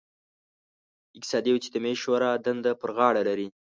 اقتصادي او اجتماعي شورا دنده پر غاړه لري.